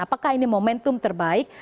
apakah ini momentum terbaik